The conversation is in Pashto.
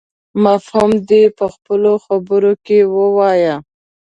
مفهوم دې يې په خپلو خبرو کې ووايي.